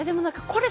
これ